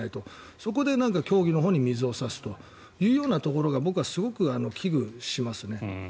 そこで競技のほうに水を差すというところが僕はすごく危惧しますね。